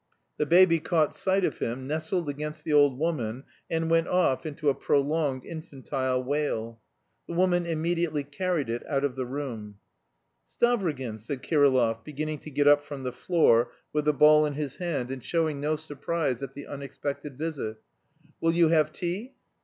The baby caught sight of him, nestled against the old woman, and went off into a prolonged infantile wail. The woman immediately carried it out of the room. "Stavrogin?" said Kirillov, beginning to get up from the floor with the ball in his hand, and showing no surprise at the unexpected visit. "Will you have tea?"